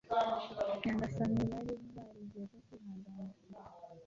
nyagasanibari barigeze kwihanganira